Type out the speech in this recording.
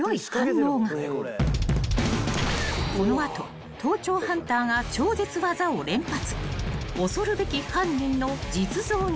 ［この後盗聴ハンターが超絶技を連発］